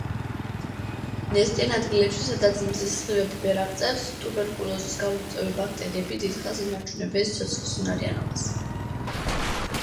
ნესტიან ადგილებში, სადაც მზის სხივები ვერ აღწევს, ტუბერკულოზის გამომწვევი ბაქტერიები დიდხანს ინარჩუნებენ სიცოცხლისუნარიანობას.